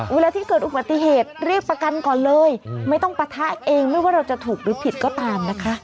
เวลาที่เกิดอุบัติเหตุเรียกประกันก่อนเลยไม่ต้องปะทะเองไม่ว่าเราจะถูกหรือผิดก็ตามนะคะ